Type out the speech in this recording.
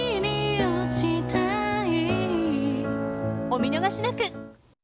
お見逃しなく。